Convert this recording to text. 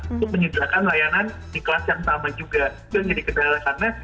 untuk menyediakan layanan di kelas yang sama juga itu yang jadi kendala karena